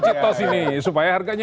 citos ini supaya harganya